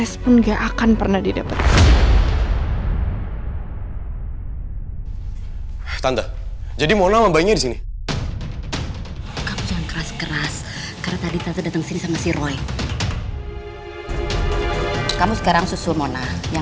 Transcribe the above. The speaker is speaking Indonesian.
sampai jumpa di video selanjutnya